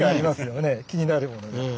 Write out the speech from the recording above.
気になるものが。